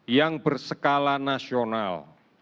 yang bersekala nasional